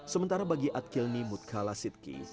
sementara bagi adkilni mutkala sidki